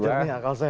jernih akal sehat ya